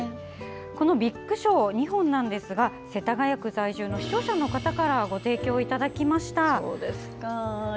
「ビッグショー」２本なんですが世田谷区在住の視聴者の方からご提供いただきました。